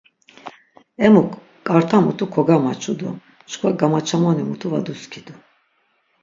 Emuk ǩarta mutu kogamaçu do çkva gamaçamoni mutu va duskidu.